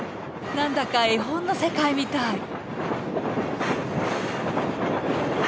何だか絵本の世界みたい！